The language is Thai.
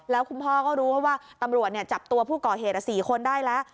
แล้วคุณพ่อก็รู้ว่าตำรวจจับตัวผู้ก่อเหตุ๔คนได้แล้ว